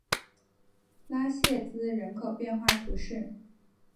拉谢兹人口变化图示